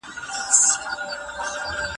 تا ته په خوب کې نوراني غوندې یو لاس به راته